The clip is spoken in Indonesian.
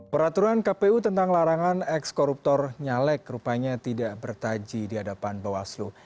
peraturan kpu tentang larangan ekskoruptor nyalek rupanya tidak bertaji di hadapan bawaslu